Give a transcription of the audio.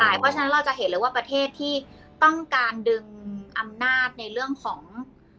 เพราะฉะนั้นเราจะเห็นเลยว่าประเทศที่ต้องการดึงอำนาจในเรื่องของ